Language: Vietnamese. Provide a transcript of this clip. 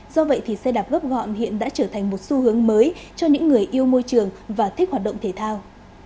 do vậy thì xe đạp gấp gọn hiện đã trở thành một xu hướng mới cho những người yêu môi trường và thích hoạt động thể thao